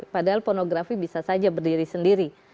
padahal pornografi bisa saja berdiri sendiri